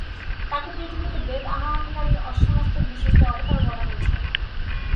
তাকে পৃথিবীতে বেদ-আনয়নকারী অশ্বমস্তক-বিশিষ্ট অবতার বলা হয়েছে।